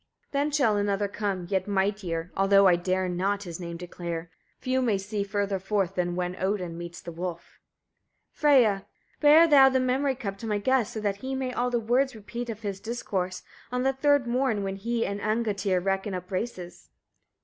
42. Then shall another come, yet mightier, although I dare not his name declare. Few may see further forth than when Odin meets the wolf. Freyia. 43. Bear thou the memory cup to my guest, so that he may all the words repeat of this, discourse, on the third morn, when he and Angantyr reckon up races.